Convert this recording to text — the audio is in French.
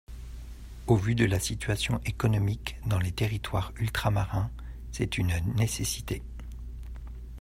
Au vu de la situation économique dans les territoires ultramarins, c’est une nécessité.